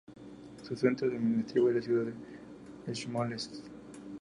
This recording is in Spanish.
Su centro administrativo es la ciudad de Smolensk.